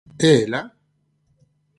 _¿E ela?